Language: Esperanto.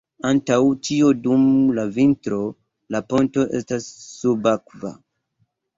Antaŭ ĉio dum la vintro la ponto estas subakva.